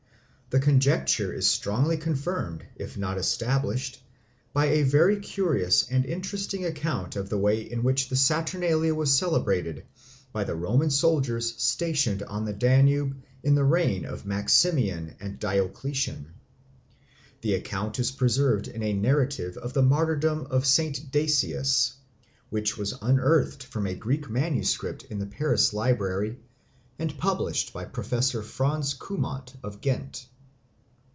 The conjecture is strongly confirmed, if not established, by a very curious and interesting account of the way in which the Saturnalia was celebrated by the Roman soldiers stationed on the Danube in the reign of Maximian and Diocletian. The account is preserved in a narrative of the martyrdom of St. Dasius, which was unearthed from a Greek manuscript in the Paris library, and published by Professor Franz Cumont of Ghent.